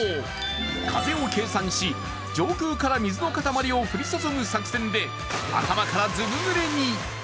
風を計算し、上空から水の塊を降り注ぐ作戦で頭からずぶ濡れに。